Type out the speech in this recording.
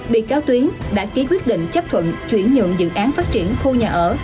bị cáo tuyến đã ký quyết định chấp thuận chuyển nhượng dự án phát triển khu nhà ở